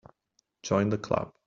Join the Club.